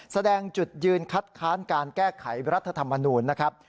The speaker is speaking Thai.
แสดงจุดยืนคัดค้านการแก้ไขรัฐธรรมนูญนะครับ